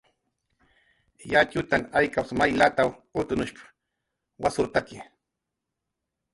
"yatxutan aykaps may lataw utnushp"" wasurtaki."